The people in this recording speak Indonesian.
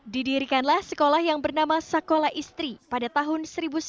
didirikanlah sekolah yang bernama sakola istri pada tahun seribu sembilan ratus sembilan puluh